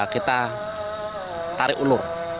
kita tarik ulur